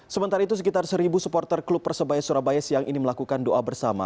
sementara itu sekitar seribu supporter klub persebaya surabaya siang ini melakukan doa bersama